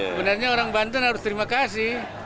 sebenarnya orang banten harus terima kasih